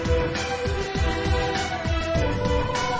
โอ้โอ้โอ้โอ้